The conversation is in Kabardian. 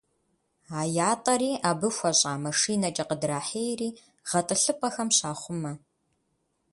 А ятӏэри абы хуэщӏа машинэкӏэ къыдрахьейри, гъэтӏылъыпӏэхэм щахъумэ.